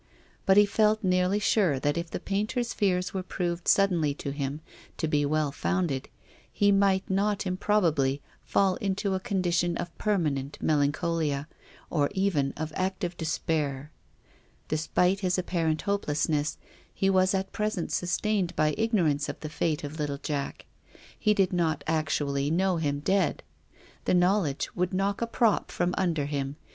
But he felt nearly sure that if the painter's fears were proved suddenly to him to be well founded, he might not improbably fall into a con dition of permanent melancholia, or even of active despair. Despite his apparent hopelessness, he THE GRAVE. 57 was at present sustained by ignorance of the fate of little Jack. He did not actually know him dead. The knowledge would knock a prop from under him.